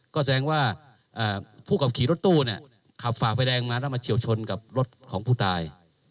ก็แสดงว่าผู้ขับขี่รถตู้ขับฝ่าไฟแดงมาแล้วมาเฉียวชนกับรถของผู้ตาย